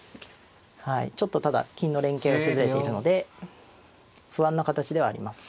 ちょっとただ金の連携が崩れているので不安な形ではあります。